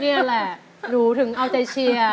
นี่แหละหนูถึงเอาใจเชียร์